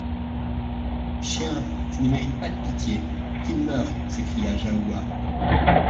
Chien ! tu ne mérites pas de pitié ! Qu'il meure ! s'écria Jahoua.